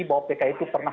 bahwa pki itu pernah